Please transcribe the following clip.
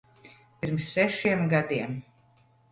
Pirms sešiem gadiem.